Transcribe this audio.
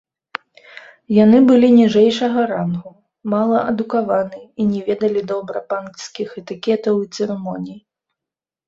Яны былі ніжэйшага рангу, мала адукаваны і не ведалі добра панскіх этыкетаў і цырымоній.